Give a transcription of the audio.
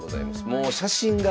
もう写真が。